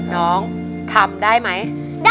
น้องทำได้ไหม